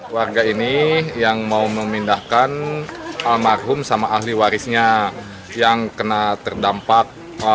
warga ini yang mau memindahkan almarhum sama ahli warisnya yang kena terdampak